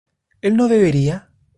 ¿él no bebería?